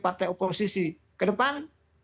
partai oposisi ke depan